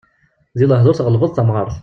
Deg lehdur tɣelbeḍ tamɣart.